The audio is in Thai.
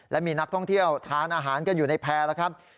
และมีนักท่องเที่ยวทานอาหารกันอยู่ในแพร่แล้วครับ